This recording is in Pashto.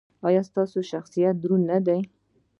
ایا ستاسو شخصیت دروند نه دی؟